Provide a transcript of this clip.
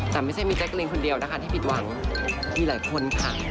แต่ไม่ใช่มีแจ๊กรีนคนเดียวนะคะที่ผิดหวังมีหลายคนค่ะ